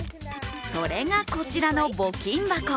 それがこちらの募金箱。